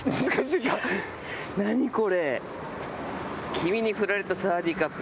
「君にふられたサワディカップ」